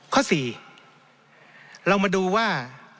ข้อ๔เรามาดูว่า